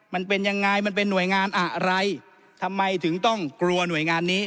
มันเป็นยังไงมันเป็นหน่วยงานอะไรทำไมถึงต้องกลัวหน่วยงานนี้